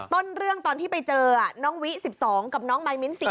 ต้นเรื่องตอนที่ไปเจอน้องวิ๑๒กับน้องมายมิ้น๑๐